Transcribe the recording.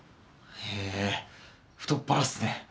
へぇ太っ腹っすね。